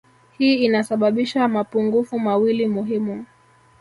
Hii inasababisha mapungufu mawili muhimu